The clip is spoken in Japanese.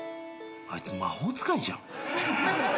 あいつ魔法使いじゃん。